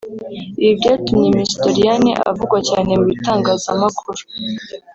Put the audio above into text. Ibi byatumye Miss Doriane avugwa cyane mu bitangazamakuru